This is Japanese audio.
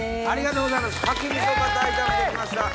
ありがとうございます！